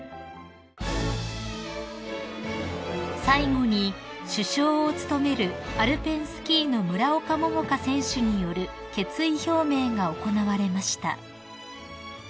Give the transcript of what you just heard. ［最後に主将を務めるアルペンスキーの村岡桃佳選手による決意表明が行われました］